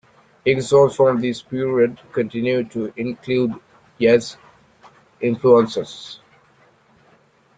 His songs from this period continued to include jazz influences.